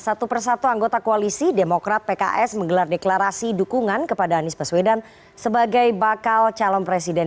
satu persatu anggota koalisi demokrat pks menggelar deklarasi dukungan kepada anies baswedan sebagai bakal calon presiden